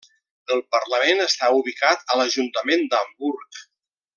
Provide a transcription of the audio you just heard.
El Parlament està ubicat a l'ajuntament d'Hamburg.